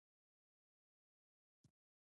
انار د افغانستان د ځایي اقتصادونو یو پیاوړی بنسټ دی.